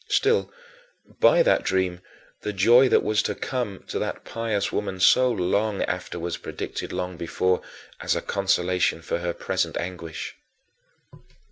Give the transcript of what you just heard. Still, by that dream, the joy that was to come to that pious woman so long after was predicted long before, as a consolation for her present anguish.